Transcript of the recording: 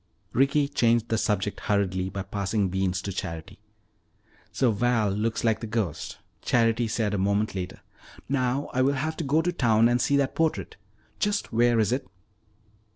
Ricky changed the subject hurriedly by passing beans to Charity. "So Val looks like the ghost," Charity said a moment later. "Now I will have to go to town and see that portrait. Just where is it?"